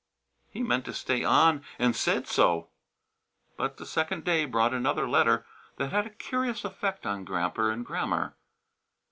He meant to stay on, and said so. But the second day brought another letter that had a curious effect on Gramper and Grammer.